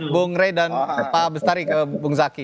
bung rey dan pak bestari ke bung zaki